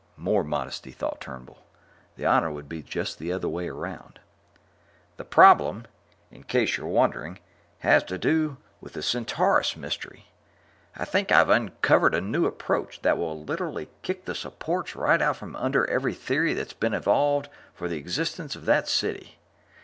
(More modesty, thought Turnbull. The honor would be just the other way round.) The problem, in case you're wondering, has to do with the Centaurus Mystery; I think I've uncovered a new approach that will literally kick the supports right out from under every theory that's been evolved for the existence of that city.